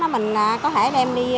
mình có thể đem đi